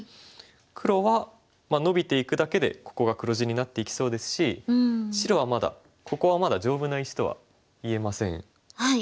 黒はノビていくだけでここが黒地になっていきそうですし白はまだここはまだ丈夫な石とは言えません。